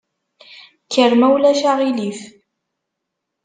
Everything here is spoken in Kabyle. Kker ma ulac aɣilif.